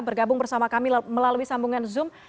bergabung bersama kami melalui sambungan zoom